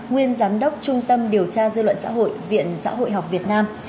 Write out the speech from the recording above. nguyên giám đốc trung tâm điều tra dư luận xã hội viện xã hội học việt nam